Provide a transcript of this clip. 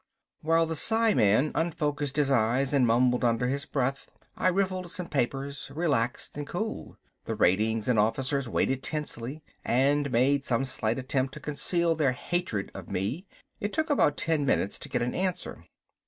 While the psiman unfocused his eyes and mumbled under his breath I riffled some papers, relaxed and cool. The ratings and officers waited tensely, and made some slight attempt to conceal their hatred of me. It took about ten minutes to get an answer.